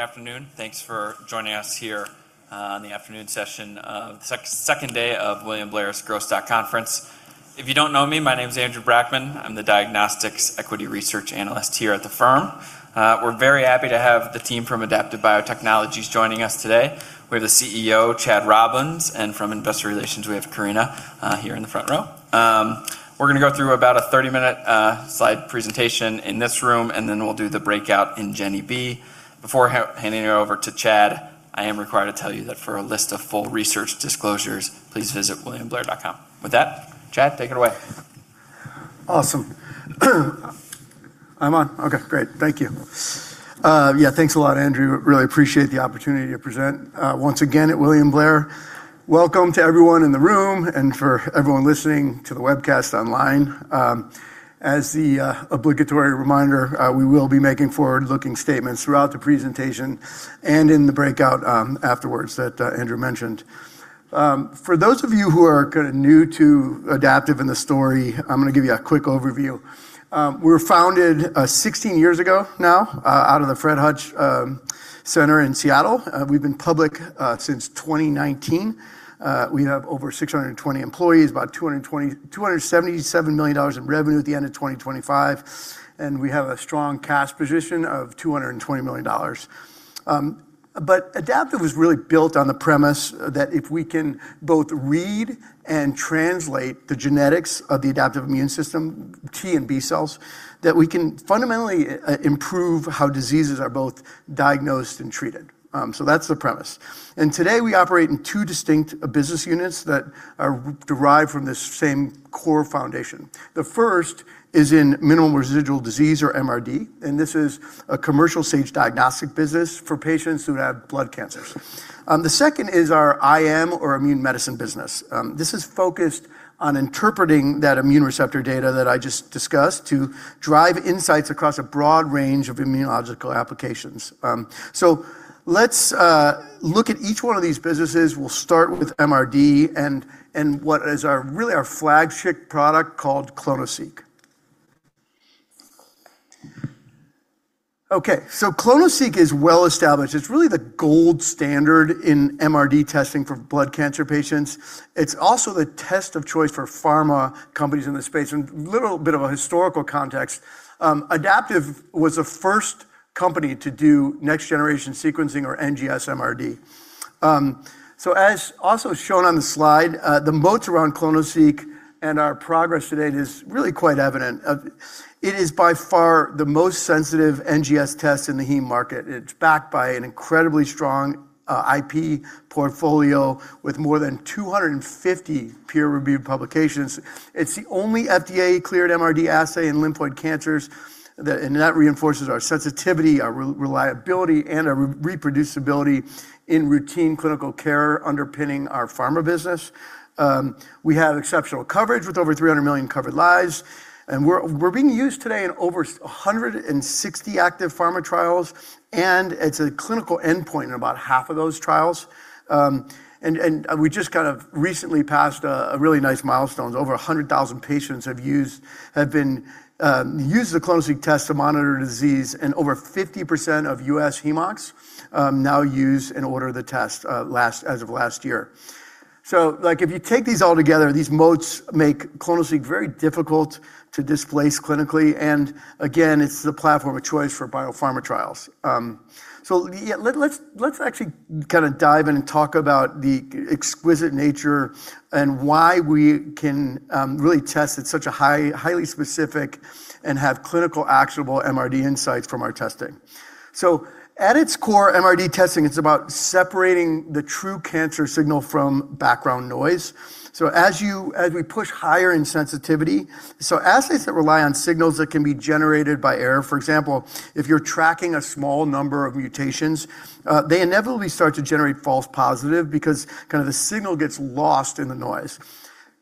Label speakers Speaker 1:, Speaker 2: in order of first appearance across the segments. Speaker 1: Good afternoon. Thanks for joining us here on the afternoon session of the second day of William Blair's Growth Stock Conference. If you don't know me, my name's Andrew Brackmann. I'm the diagnostics equity research analyst here at the firm. We're very happy to have the team from Adaptive Biotechnologies joining us today. We have the CEO, Chad Robins, and from investor relations, we have Karina here in the front row. We're going to go through about a 30-minute slide presentation in this room, and then we'll do the breakout in Jenny B. Before handing it over to Chad, I am required to tell you that for a list of full research disclosures, please visit williamblair.com. With that, Chad, take it away.
Speaker 2: Awesome. I'm on? Okay, great. Thank you. Yeah, thanks a lot, Andrew. Really appreciate the opportunity to present once again at William Blair. Welcome to everyone in the room and for everyone listening to the webcast online. As the obligatory reminder, we will be making forward-looking statements throughout the presentation and in the breakout afterwards that Andrew mentioned. For those of you who are new to Adaptive Biotechnologies and the story, I'm going to give you a quick overview. We were founded 16 years ago now, out of the Fred Hutch Center in Seattle. We've been public since 2019. We have over 620 employees, about $277 million in revenue at the end of 2025, and we have a strong cash position of $220 million. Adaptive was really built on the premise that if we can both read and translate the genetics of the adaptive immune system, T and B cells, that we can fundamentally improve how diseases are both diagnosed and treated. That's the premise. Today, we operate in two distinct business units that are derived from the same core foundation. The first is in minimal residual disease or MRD, and this is a commercial-stage diagnostic business for patients who have blood cancers. The second is our IM or Immune Medicine business. This is focused on interpreting that immune receptor data that I just discussed to drive insights across a broad range of immunological applications. Let's look at each one of these businesses. We'll start with MRD and what is really our flagship product called clonoSEQ. Okay. clonoSEQ is well established. It's really the gold standard in MRD testing for blood cancer patients. It's also the test of choice for pharma companies in the space. A little bit of a historical context, Adaptive was the first company to do next-generation sequencing or NGS MRD. As also shown on the slide, the moats around clonoSEQ and our progress to date is really quite evident. It is by far the most sensitive NGS test in the heme market. It's backed by an incredibly strong IP portfolio with more than 250 peer-reviewed publications. It's the only FDA-cleared MRD assay in lymphoid cancers, and that reinforces our sensitivity, our reliability, and our reproducibility in routine clinical care underpinning our pharma business. We have exceptional coverage with over 300 million covered lives, and we're being used today in over 160 active pharma trials, and it's a clinical endpoint in about half of those trials. We just recently passed a really nice milestone. Over 100,000 patients have used the clonoSEQ test to monitor disease, and over 50% of U.S. hem-oncs now use and order the test as of last year. If you take these all together, these moats make clonoSEQ very difficult to displace clinically, and again, it's the platform of choice for biopharma trials. Yeah, let's actually dive in and talk about the exquisite nature and why we can really test at such a highly specific and have clinical actionable MRD insights from our testing. At its core, MRD testing, it's about separating the true cancer signal from background noise. As we push higher in sensitivity, assays that rely on signals that can be generated by error, for example, if you're tracking a small number of mutations, they inevitably start to generate false positive because the signal gets lost in the noise.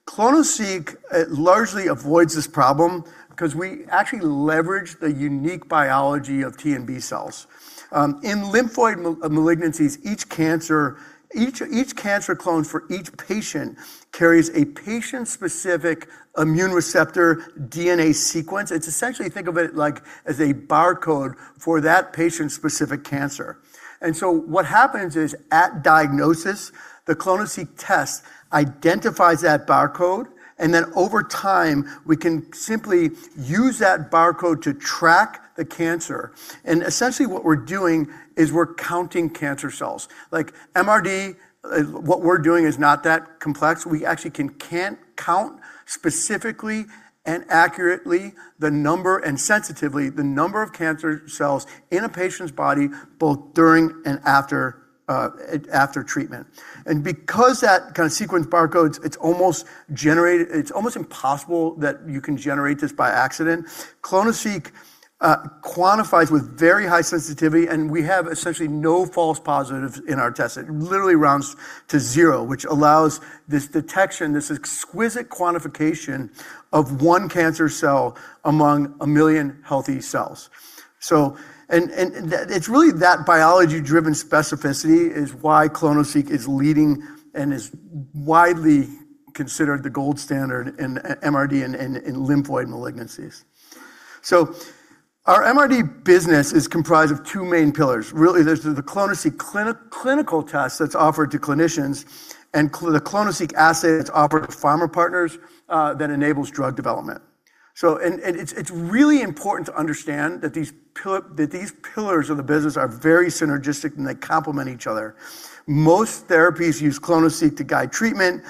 Speaker 2: clonoSEQ largely avoids this problem because we actually leverage the unique biology of T and B cells. In lymphoid malignancies, each cancer clone for each patient carries a patient-specific immune receptor DNA sequence. It's essentially, think of it as a barcode for that patient's specific cancer. What happens is, at diagnosis, the clonoSEQ test identifies that barcode, and then over time, we can simply use that barcode to track the cancer. Essentially what we're doing is we're counting cancer cells. MRD, what we're doing is not that complex. We actually can count specifically and accurately the number, and sensitively, the number of cancer cells in a patient's body both during and after treatment. Because that sequence barcodes, it's almost impossible that you can generate this by accident. clonoSEQ quantifies with very high sensitivity, and we have essentially no false positives in our test. It literally rounds to zero, which allows this detection, this exquisite quantification of one cancer cell among a million healthy cells. It's really that biology-driven specificity is why clonoSEQ is leading and is widely considered the gold standard in MRD in lymphoid malignancies. Our MRD business is comprised of two main pillars. Really, there's the clonoSEQ clinical test that's offered to clinicians and the clonoSEQ assay that's offered to pharma partners that enables drug development. It's really important to understand that these pillars of the business are very synergistic, and they complement each other. Most therapies use clonoSEQ to guide treatment.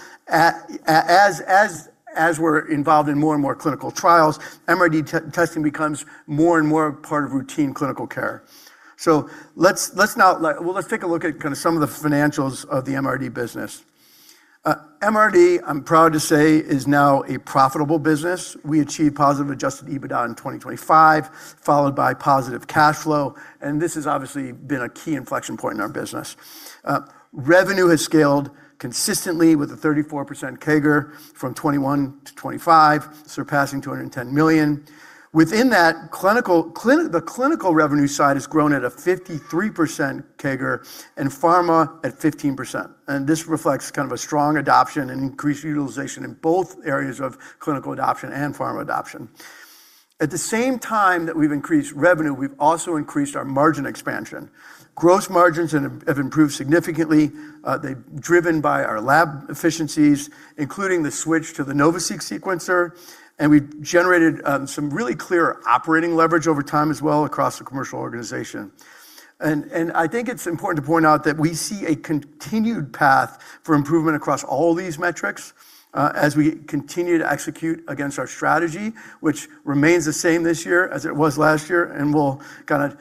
Speaker 2: As we're involved in more and more clinical trials, MRD testing becomes more and more a part of routine clinical care. Let's take a look at kind of some of the financials of the MRD business. MRD, I'm proud to say, is now a profitable business. We achieved positive adjusted EBITDA in 2025, followed by positive cash flow, and this has obviously been a key inflection point in our business. Revenue has scaled consistently with a 34% CAGR from 2021-2025, surpassing $210 million. Within that, the clinical revenue side has grown at a 53% CAGR and pharma at 15%, and this reflects kind of a strong adoption and increased utilization in both areas of clinical adoption and pharma adoption. At the same time that we've increased revenue, we've also increased our margin expansion. Gross margins have improved significantly. They're driven by our lab efficiencies, including the switch to the NovaSeq sequencer, and we generated some really clear operating leverage over time as well across the commercial organization. I think it's important to point out that we see a continued path for improvement across all these metrics as we continue to execute against our strategy, which remains the same this year as it was last year, and we'll kind of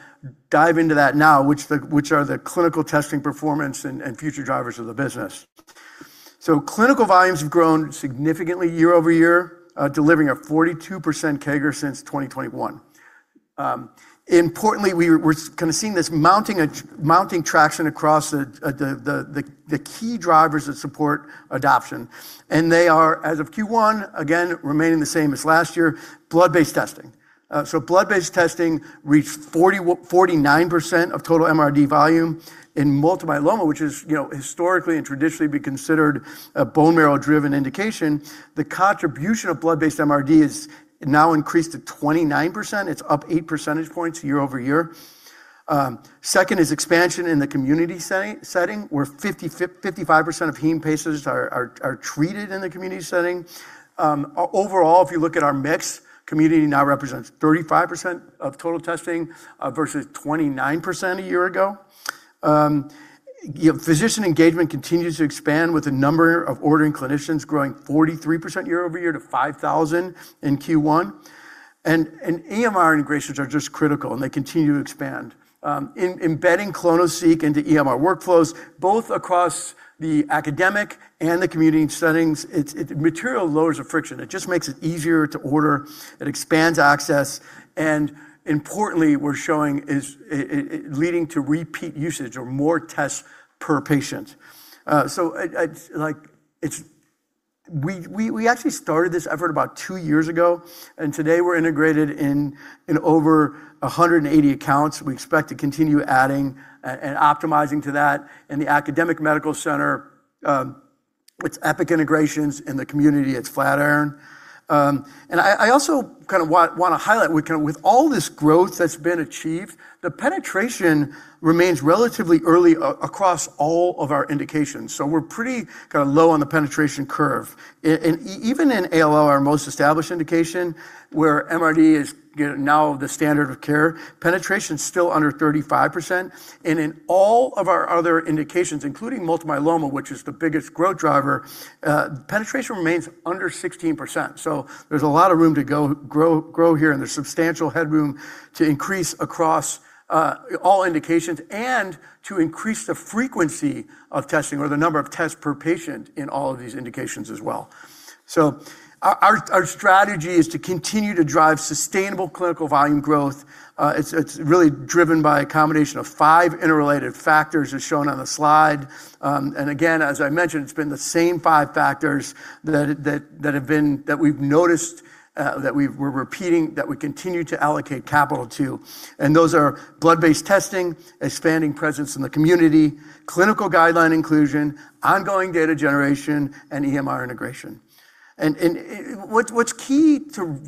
Speaker 2: dive into that now, which are the clinical testing performance and future drivers of the business. Clinical volumes have grown significantly year-over-year, delivering a 42% CAGR since 2021. Importantly, we're seeing this mounting traction across the key drivers that support adoption, they are, as of Q1, again, remaining the same as last year, blood-based testing. Blood-based testing reached 49% of total MRD volume in multiple myeloma, which has historically and traditionally be considered a bone marrow-driven indication. The contribution of blood-based MRD has now increased to 29%. It's up eight percentage points year-over-year. Second is expansion in the community setting, where 55% of heme patients are treated in the community setting. Overall, if you look at our mix, community now represents 35% of total testing versus 29% a year ago. Physician engagement continues to expand with the number of ordering clinicians growing 43% year-over-year to 5,000 in Q1. EMR integrations are just critical, and they continue to expand. Embedding clonoSEQ into EMR workflows, both across the academic and the community settings, it materially lowers the friction. It just makes it easier to order. It expands access, importantly, we're showing it leading to repeat usage or more tests per patient. We actually started this effort about two years ago, today we're integrated in over 180 accounts. We expect to continue adding and optimizing to that. In the academic medical center, it's Epic integrations. In the community, it's Flatiron. I also kind of want to highlight, with all this growth that's been achieved, the penetration remains relatively early across all of our indications. We're pretty low on the penetration curve. Even in ALL, our most established indication, where MRD is now the standard of care, penetration's still under 35%, and in all of our other indications, including multiple myeloma, which is the biggest growth driver, penetration remains under 16%. There's a lot of room to grow here, and there's substantial headroom to increase across all indications and to increase the frequency of testing or the number of tests per patient in all of these indications as well. Our strategy is to continue to drive sustainable clinical volume growth. It's really driven by a combination of five interrelated factors, as shown on the slide. Again, as I mentioned, it's been the same five factors that we've noticed that we're repeating, that we continue to allocate capital to, and those are blood-based testing, expanding presence in the community, clinical guideline inclusion, ongoing data generation, and EMR integration. What's key to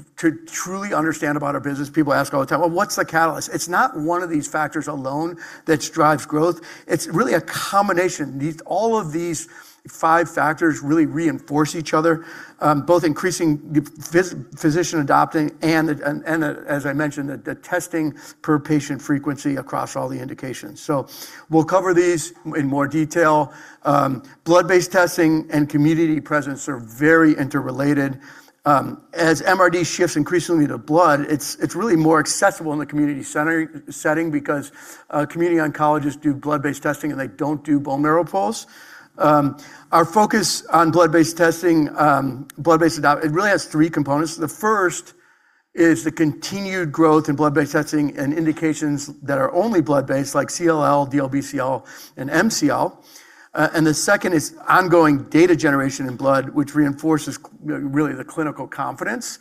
Speaker 2: truly understand about our business, people ask all the time, "Well, what's the catalyst?" It's not one of these factors alone that drives growth. It's really a combination. All of these five factors really reinforce each other, both increasing physician adoption and, as I mentioned, the testing per patient frequency across all the indications. We'll cover these in more detail. Blood-based testing and community presence are very interrelated. As MRD shifts increasingly to blood, it's really more accessible in the community setting because community oncologists do blood-based testing, and they don't do bone marrow pulls. Our focus on blood-based testing, it really has three components. The first is the continued growth in blood-based testing and indications that are only blood-based, like CLL, DLBCL, and MCL. The second is ongoing data generation in blood, which reinforces really the clinical confidence.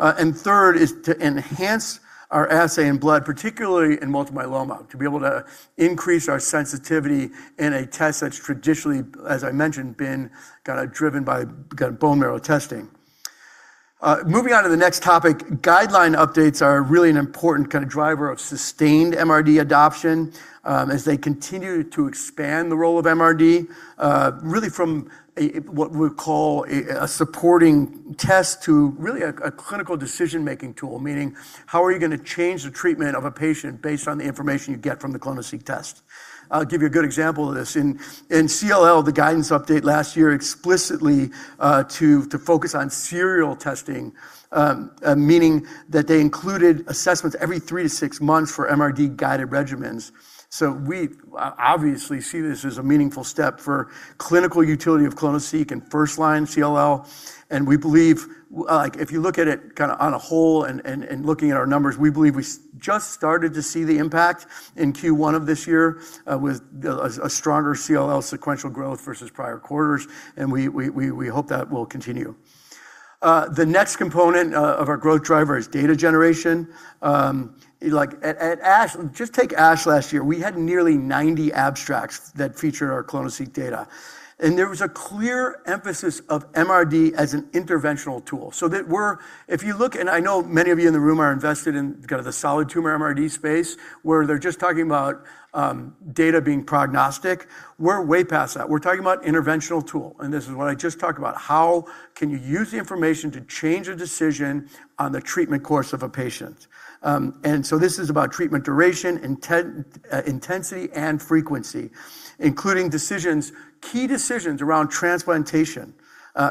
Speaker 2: Third is to enhance our assay in blood, particularly in multiple myeloma, to be able to increase our sensitivity in a test that's traditionally, as I mentioned, been kind of driven by bone marrow testing. Moving on to the next topic, guideline updates are really an important driver of sustained MRD adoption as they continue to expand the role of MRD, really from what we call a supporting test to really a clinical decision-making tool, meaning how are you going to change the treatment of a patient based on the information you get from the clonoSEQ test? I'll give you a good example of this. In CLL, the guidance update last year explicitly to focus on serial testing, meaning that they included assessments every three to six months for MRD-guided regimens. We obviously see this as a meaningful step for clinical utility of clonoSEQ in first line CLL, and we believe if you look at it on a whole and looking at our numbers, we believe we just started to see the impact in Q1 of this year with a stronger CLL sequential growth versus prior quarters, and we hope that will continue. The next component of our growth driver is data generation. At ASH, just take ASH last year, we had nearly 90 abstracts that featured our clonoSEQ data. There was a clear emphasis of MRD as an interventional tool. If you look, and I know many of you in the room are invested in the solid tumor MRD space, where they're just talking about data being prognostic, we're way past that. We're talking about interventional tool. This is what I just talked about, how can you use the information to change a decision on the treatment course of a patient? This is about treatment duration, intensity, and frequency, including key decisions around transplantation,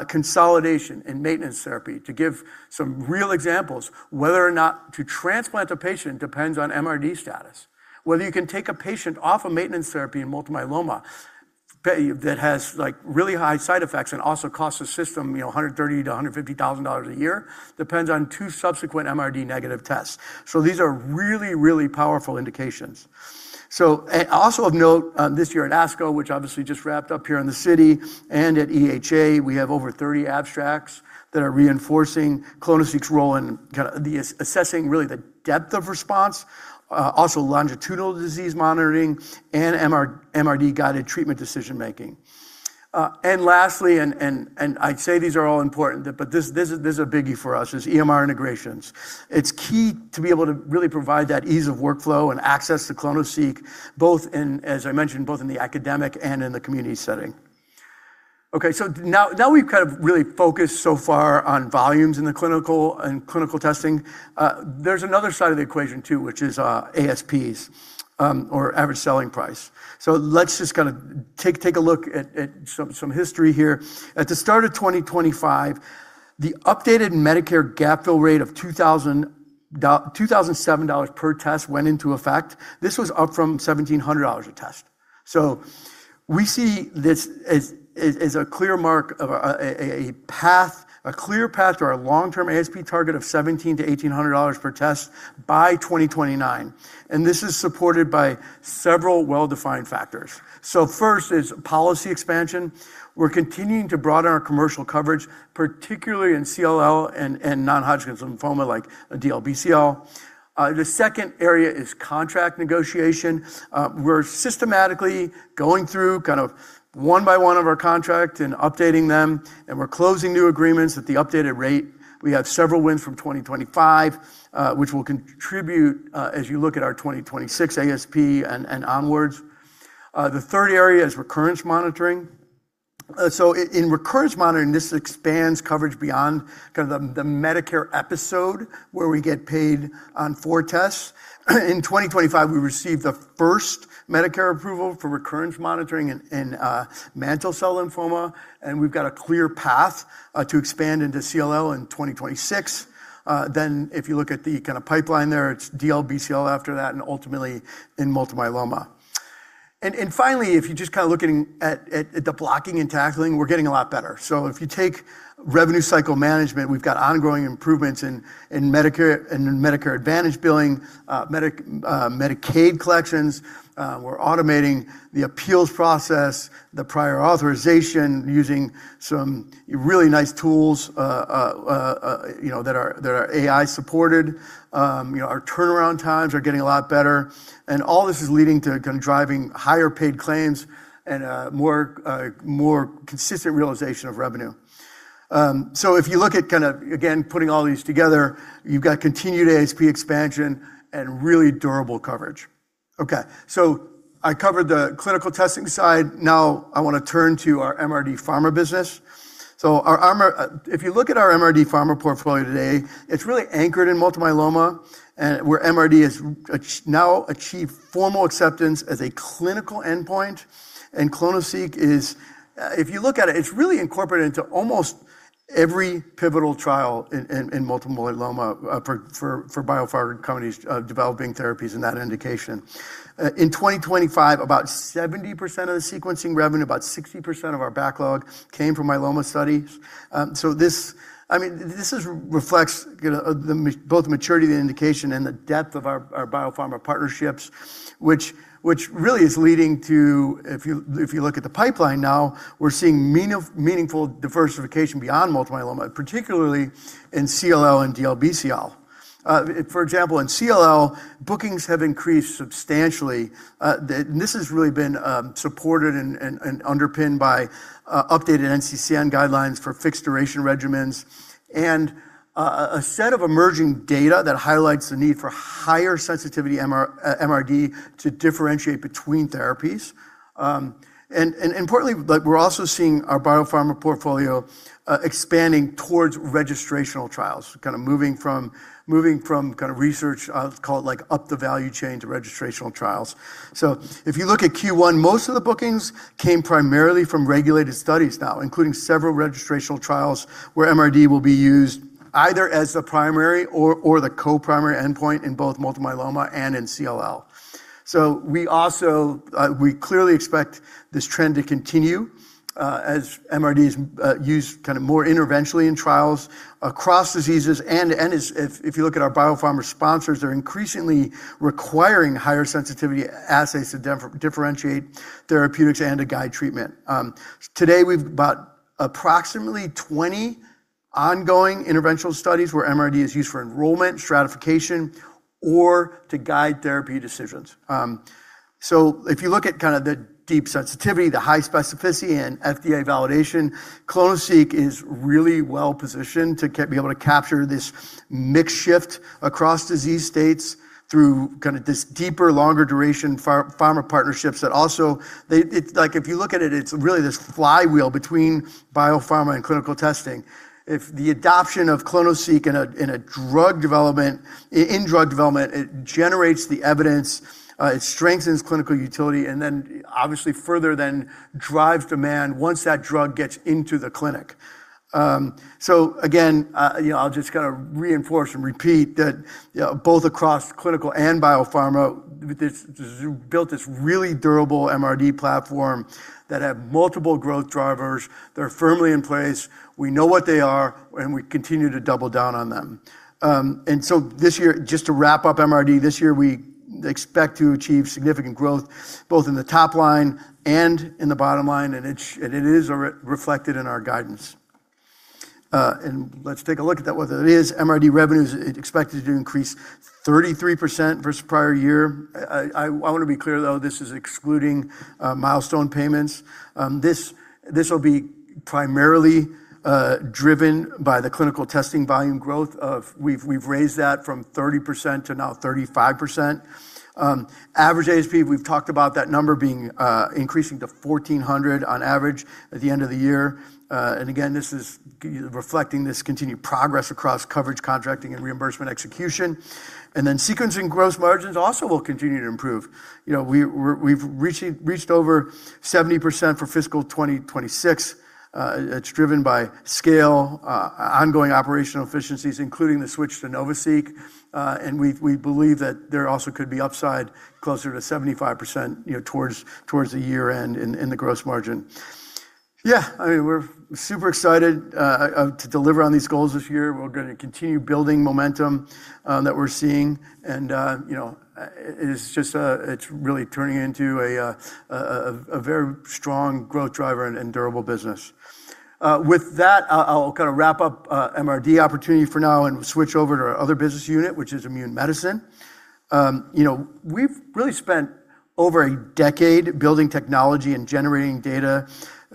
Speaker 2: consolidation, and maintenance therapy. To give some real examples, whether or not to transplant a patient depends on MRD status. Whether you can take a patient off of maintenance therapy in multiple myeloma that has really high side effects and also costs the system $130,000-$150,000 a year depends on two subsequent MRD negative tests. These are really, really powerful indications. Also of note, this year at ASCO, which obviously just wrapped up here in the city, and at EHA, we have over 30 abstracts that are reinforcing clonoSEQ's role in assessing really the depth of response, also longitudinal disease monitoring and MRD-guided treatment decision-making. Lastly, and I'd say these are all important, but this is a biggie for us, is EMR integrations. It's key to be able to really provide that ease of workflow and access to clonoSEQ, as I mentioned, both in the academic and in the community setting. Now we've really focused so far on volumes in the clinical testing. There's another side of the equation too, which is ASPs or average selling price. Let's just take a look at some history here. At the start of 2025, the updated Medicare gap fill rate of $2,007 per test went into effect. This was up from $1,700 a test. We see this as a clear mark of a clear path to our long-term ASP target of $1,700-$1,800 per test by 2029. This is supported by several well-defined factors. First is policy expansion. We're continuing to broaden our commercial coverage, particularly in CLL and non-Hodgkin's lymphoma like DLBCL. The second area is contract negotiation. We're systematically going through one by one of our contracts and updating them, and we're closing new agreements at the updated rate. We have several wins from 2025, which will contribute as you look at our 2026 ASP and onwards. The third area is recurrence monitoring. In recurrence monitoring, this expands coverage beyond the Medicare episode where we get paid on four tests. In 2025, we received the first Medicare approval for recurrence monitoring in mantle cell lymphoma, and we've got a clear path to expand into CLL in 2026. If you look at the pipeline there, it's DLBCL after that, and ultimately in multiple myeloma. Finally, if you just look at the blocking and tackling, we're getting a lot better. If you take revenue cycle management, we've got ongoing improvements in Medicare Advantage billing, Medicaid collections. We're automating the appeals process, the prior authorization, using some really nice tools that are AI-supported. Our turnaround times are getting a lot better. All this is leading to driving higher paid claims and more consistent realization of revenue. If you look at, again, putting all these together, you've got continued ASP expansion and really durable coverage. Okay, I covered the clinical testing side. I want to turn to our MRD pharma business. If you look at our MRD pharma portfolio today, it's really anchored in multiple myeloma, where MRD has now achieved formal acceptance as a clinical endpoint. ClonoSEQ is, if you look at it's really incorporated into almost every pivotal trial in multiple myeloma for biopharma companies developing therapies in that indication. In 2025, about 70% of the sequencing revenue, about 60% of our backlog came from myeloma studies. This reflects both the maturity of the indication and the depth of our biopharma partnerships, which really is leading to, if you look at the pipeline now, we're seeing meaningful diversification beyond multiple myeloma, particularly in CLL and DLBCL. For example, in CLL, bookings have increased substantially. This has really been supported and underpinned by updated NCCN guidelines for fixed-duration regimens and a set of emerging data that highlights the need for higher sensitivity MRD to differentiate between therapies. Importantly, we're also seeing our biopharma portfolio expanding towards registrational trials, kind of moving from research, call it up the value chain to registrational trials. If you look at Q1, most of the bookings came primarily from regulated studies now, including several registrational trials where MRD will be used either as the primary or the co-primary endpoint in both multiple myeloma and in CLL. We clearly expect this trend to continue, as MRD is used more interventionally in trials across diseases and, if you look at our biopharma sponsors, they're increasingly requiring higher sensitivity assays to differentiate therapeutics and to guide treatment. Today, we've approximately 20 ongoing interventional studies where MRD is used for enrollment, stratification, or to guide therapy decisions. If you look at the deep sensitivity, the high specificity, and FDA validation, clonoSEQ is really well-positioned to be able to capture this mixed shift across disease states through this deeper, longer duration pharma partnerships. If you look at it's really this flywheel between biopharma and clinical testing. If the adoption of clonoSEQ in drug development, it generates the evidence, it strengthens clinical utility, and then obviously further drives demand once that drug gets into the clinic. Again, I'll just kind of reinforce and repeat that both across clinical and biopharma, we built this really durable MRD platform that have multiple growth drivers. They're firmly in place. We know what they are, and we continue to double down on them. This year, just to wrap up MRD, we expect to achieve significant growth both in the top line and in the bottom line. It is reflected in our guidance. Let's take a look at that, what that is. MRD revenue is expected to increase 33% versus prior year. I want to be clear, though, this is excluding milestone payments. This will be primarily driven by the clinical testing volume growth. We've raised that from 30% to now 35%. Average ASP, we've talked about that number increasing to $1,400 on average at the end of the year. Again, this is reflecting this continued progress across coverage, contracting, and reimbursement execution. Sequencing gross margins also will continue to improve. We've reached over 70% for fiscal 2026. It's driven by scale, ongoing operational efficiencies, including the switch to NovaSeq. We believe that there also could be upside closer to 75% towards the year-end in the gross margin. Yeah, we're super excited to deliver on these goals this year. We're going to continue building momentum that we're seeing, and it's really turning into a very strong growth driver and durable business. With that, I'll wrap up MRD opportunity for now and switch over to our other business unit, which is Immune Medicine. We've really spent over a decade building technology and generating data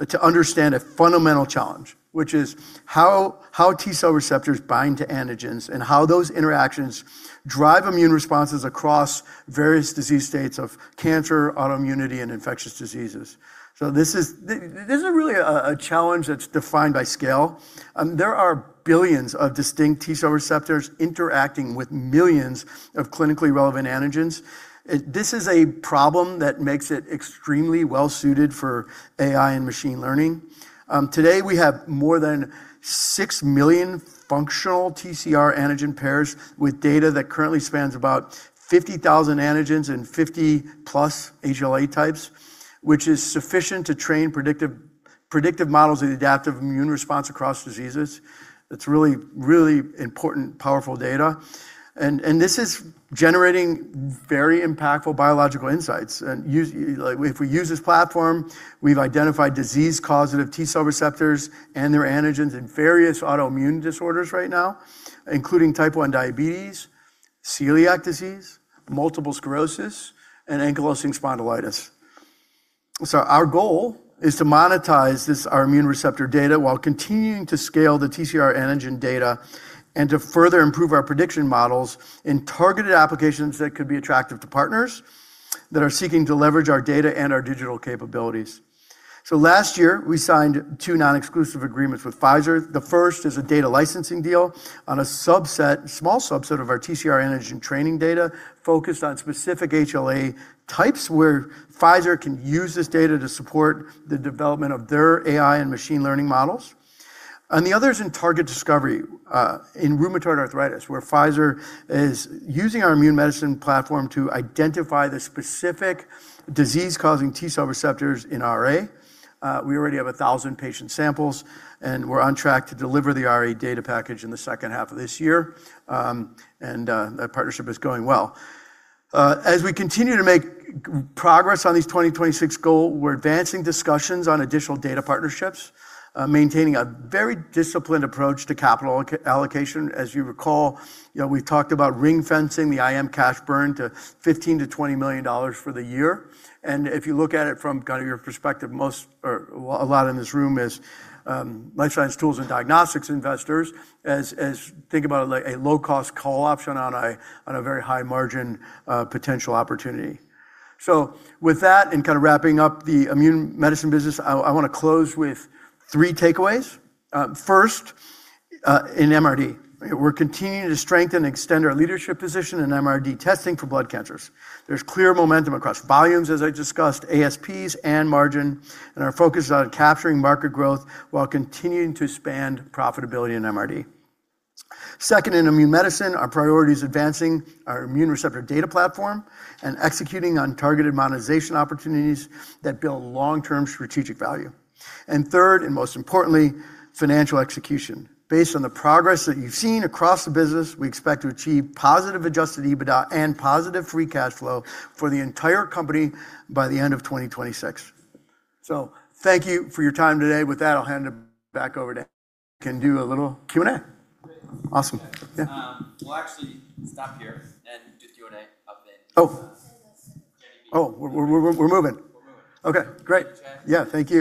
Speaker 2: to understand a fundamental challenge, which is how T cell receptors bind to antigens and how those interactions drive immune responses across various disease states of cancer, autoimmunity, and infectious diseases. This is really a challenge that's defined by scale. There are billions of distinct T cell receptors interacting with millions of clinically relevant antigens. This is a problem that makes it extremely well-suited for AI and machine learning. Today, we have more than six million functional TCR antigen pairs with data that currently spans about 50,000 antigens and 50+ HLA types, which is sufficient to train predictive models of the adaptive immune response across diseases. It's really important, powerful data. This is generating very impactful biological insights. If we use this platform, we've identified disease causative T cell receptors and their antigens in various autoimmune disorders right now, including type 1 diabetes, celiac disease, multiple sclerosis, and ankylosing spondylitis. Our goal is to monetize our immune receptor data while continuing to scale the TCR antigen data and to further improve our prediction models in targeted applications that could be attractive to partners that are seeking to leverage our data and our digital capabilities. Last year, we signed two non-exclusive agreements with Pfizer. The first is a data licensing deal on a small subset of our TCR antigen training data focused on specific HLA types where Pfizer can use this data to support the development of their AI and machine learning models. The other is in target discovery, in rheumatoid arthritis, where Pfizer is using our Immune Medicine platform to identify the specific disease-causing T cell receptors in RA. We already have 1,000 patient samples, and we're on track to deliver the RA data package in the second half of this year. That partnership is going well. As we continue to make progress on these 2026 goals, we're advancing discussions on additional data partnerships, maintaining a very disciplined approach to capital allocation. As you recall, we talked about ring-fencing the IM cash burn to $15 million-$20 million for the year. If you look at it from your perspective, a lot in this room is life science tools and diagnostics investors, think about it like a low-cost call option on a very high margin potential opportunity. With that, in kind of wrapping up the Immune Medicine business, I want to close with three takeaways. First, in MRD. We're continuing to strengthen and extend our leadership position in MRD testing for blood cancers. There's clear momentum across volumes, as I discussed, ASPs, and margin, and our focus is on capturing market growth while continuing to expand profitability in MRD. Second, in Immune Medicine, our priority is advancing our immune receptor data platform and executing on targeted monetization opportunities that build long-term strategic value. Third, and most importantly, financial execution. Based on the progress that you've seen across the business, we expect to achieve positive adjusted EBITDA and positive free cash flow for the entire company by the end of 2026. Thank you for your time today. With that. Can do a little Q&A. Great. Awesome. Yeah.
Speaker 1: We'll actually stop here and do Q&A up there.
Speaker 2: Oh.
Speaker 1: I'll stay there.
Speaker 2: Oh, we're moving. Okay, great. Okay. Yeah. Thank you.